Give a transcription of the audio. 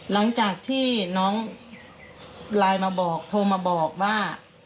หลังจากที่น้องไลน์มาบอกโทรมาบอกว่า